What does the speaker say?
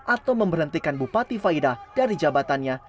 atau memberhentikan bupati faidah dari jabatannya